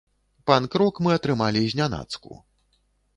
Панк-рок мы атрымалі знянацку.